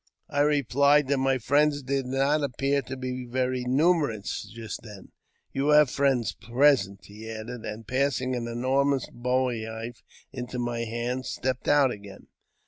I replied that my friends did not appear to be very numerous just then. " You have friends present," he added ; and, passing an enormous bowie knife into my hand, stepped out again.